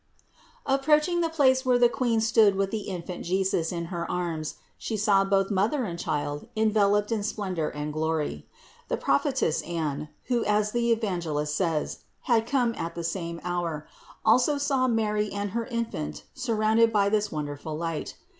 Approaching the place where the Queen stood with the Infant Jesus in her arms, he saw both Mother and Child enveloped in splendor and glory. The prophetess Anne, who, as the Evangelist says, had come at the same hour, also saw Mary and her Infant surrounded by this wonderful light.